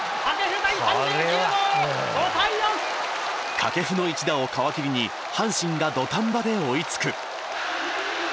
掛布の一打を皮切りに阪神が土壇場で追いつく。